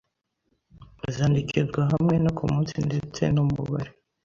zandikirwa hamwe no ku munsi ndetse n'umubare